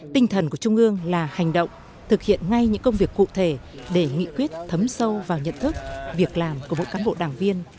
tiếp đến là hành động thực hiện ngay những công việc cụ thể để nghị quyết thấm sâu vào nhận thức việc làm của một cán bộ đảng viên